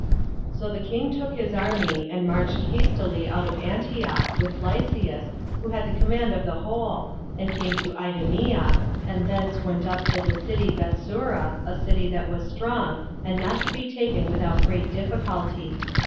4. So the king took this army, and marched hastily out of Antioch, with Lysias, who had the command of the whole, and came to Idumea, and thence went up to the city Bethsura, a city that was strong, and not to be taken without great difficulty.